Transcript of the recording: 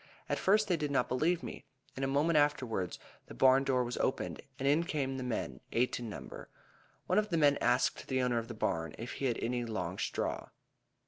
At first they did not believe me. In a moment afterwards the barn door was opened, and in came the men, eight in number. One of the men asked the owner of the barn if he had any long straw.